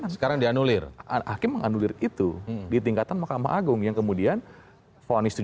akan dianulir akhir akhir mengandung diri itu di tingkatan mahkamah agung yang kemudian ponis tujuh